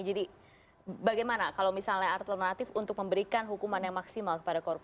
jadi bagaimana kalau misalnya alternatif untuk memberikan hukuman yang maksimal kepada korupsi